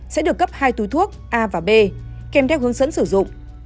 sẽ được cấp hai túi thuốc a và b kèm theo hướng dẫn sử dụng